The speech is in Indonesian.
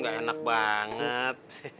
gak enak banget